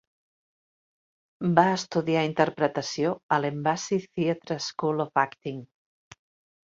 Va estudiar interpretació a l'Embassy Theatre School of Acting.